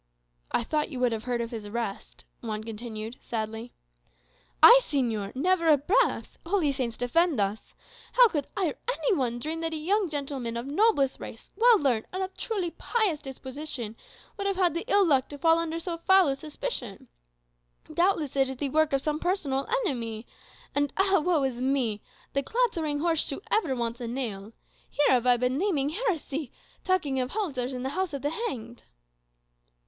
"I thought you would have heard of his arrest," Juan continued, sadly. "I, señor! Never a breath. Holy Saints defend us! How could I, or any one, dream that a young gentleman of noblest race, well learned, and of truly pious disposition, would have had the ill luck to fall under so foul a suspicion? Doubtless it is the work of some personal enemy. And ah, woe is me! 'the clattering horse shoe ever wants a nail' here have I been naming heresy, 'talking of halters in the house of the hanged?